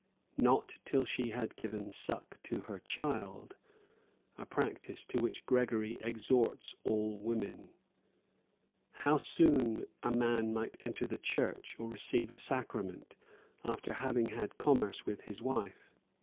Not till she had given suck to her child; a practice to which Gregory exhorts all women. "How; soon a man might enter the church, or receive the sacrament, after having had commerce with his wife."